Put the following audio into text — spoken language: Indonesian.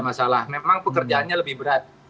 masalah memang pekerjaannya lebih berat